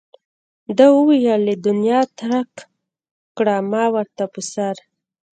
ده وویل له دنیا ترک کړه ما ورته په سر.